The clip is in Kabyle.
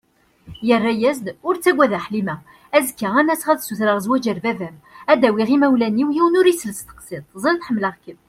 Yerra-as-d: Ur ttaggad a Ḥlima, azekka ad n-aseɣ ad sutreɣ zwaǧ ar baba-m, ad d-awiɣ imawlan-iw, yiwen ur isel tseqsiḍt, teẓriḍ ḥemmleɣ-kem.